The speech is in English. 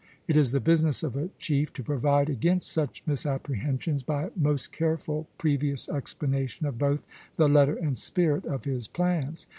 It is the business of a chief to provide against such misapprehensions by most careful previous explanation of both the letter and spirit of his plans.